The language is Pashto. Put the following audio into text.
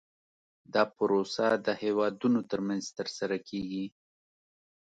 دا پروسه د هیوادونو ترمنځ ترسره کیږي